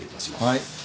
はい。